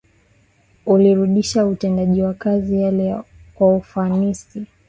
alirudisha utendaji wa kazi yake kwa ufanisi